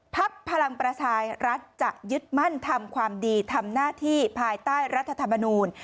พลังประชารัฐจะยึดมั่นทำความดีทำหน้าที่ภายใต้รัฐธรรมนูล